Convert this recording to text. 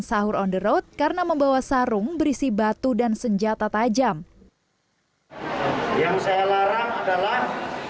sahur on the road karena membawa sarung berisi batu dan senjata tajam yang saya larang adalah